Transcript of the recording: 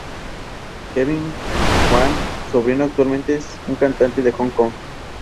Costurera de profesión y autodidacta, obtuvo el diploma de institutriz gracias a un sacerdote.